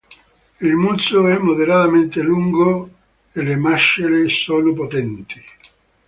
Il muso è moderatamente lungo e le mascelle sono potenti.